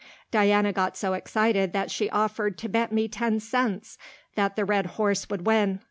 Diana got so excited that she offered to bet me ten cents that the red horse would win.